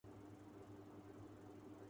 ناصر درانی طرز کے لو گ ہوں۔